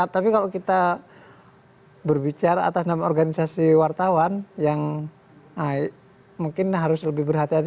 tapi kalau kita berbicara atas nama organisasi wartawan yang mungkin harus lebih berhati hati